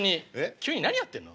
急に何やってんの？